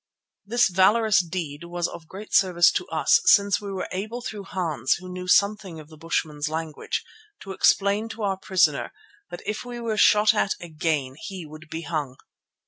This valorous deed was of great service to us, since we were able through Hans, who knew something of the bushmen's language, to explain to our prisoner that if we were shot at again he would be hung.